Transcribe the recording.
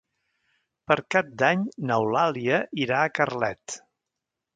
Per Cap d'Any n'Eulàlia irà a Carlet.